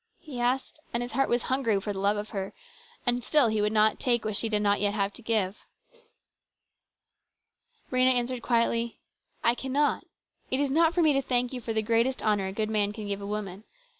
he asked ; and his heart was hungry for the love of her, and still he would not take what she did not yet have to give. Rhena answered quietly :" I cannot. It is not for me to thank you for the greatest honour a good man can give a woman.